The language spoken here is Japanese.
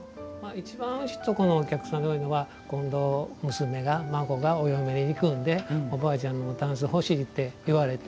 いちばんうちのお客さんで多いのは今度娘が、孫がお嫁に行くのでおばあちゃんのたんす欲しいって言われて。